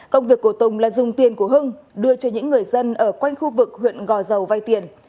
công việc của tùng là dùng tiền của hưng đưa cho những người dân ở quanh khu vực huyện gò dầu vay tiền